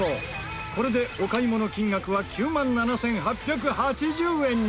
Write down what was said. これでお買い物金額は９万７８８０円に。